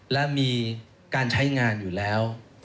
และมีการใช้งานอยู่แล้ว